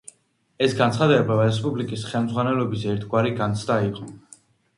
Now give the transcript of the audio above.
ეს განცხადება რესპუბლიკის ხელმძღვანელობის ერთგვარი განცდა იყო.